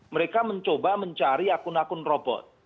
mereka mencoba mencari akun akun robot